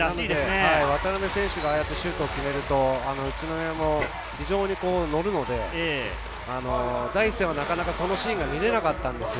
渡邉選手がああやってシュートを決めると宇都宮も非常にのるので、第１戦はなかなかそのシーンが見られなかったんですよ。